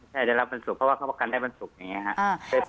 ใช่ได้รับวันศุกร์เพราะว่าเขาประกันได้วันศุกร์อย่างนี้ครับ